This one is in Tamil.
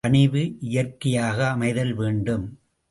பணிவு இயற்கையாக அமைதல் வேண்டும்.